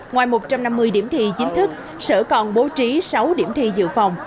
ngoài một trăm năm mươi điểm thi chính thức sở còn bố trí sáu điểm thi dự phòng